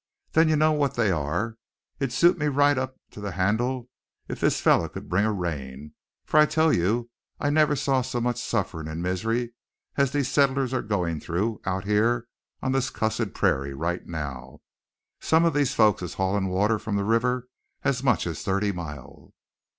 "Then you know what they air. It'd suit me right up to the han'le if this feller could bring a rain, for I tell you I never saw so much sufferin' and misery as these settlers are goin' through out here on this cussid pe rairie right now. Some of these folks is haulin' water from the river as much as thirty mile!"